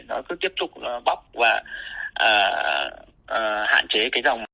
nó cứ tiếp tục nó bóc và hạn chế cái dòng